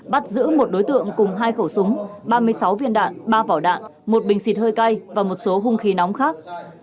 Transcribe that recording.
bắt giữ một đối tượng cùng hai khẩu súng ba mươi sáu viên đạn ba vỏ đạn một bình xịt hơi cay và một số hung khí nóng khác